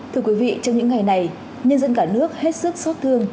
thưa quý vị trong những ngày này nhân dân cả nước hết sức xót thương